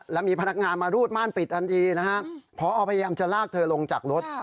แล้วมีพนักงานมารูดม่านปิดทันทีนะฮะพอพยายามจะลากเธอลงจากรถ